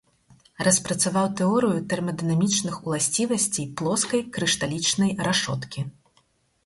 Распрацаваў тэорыю тэрмадынамічных уласцівасцей плоскай крышталічнай рашоткі.